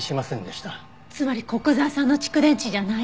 つまり古久沢さんの蓄電池じゃない。